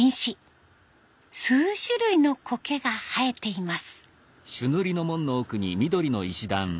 数種類のコケが生えています。